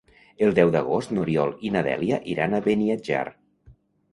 El deu d'agost n'Oriol i na Dèlia iran a Beniatjar.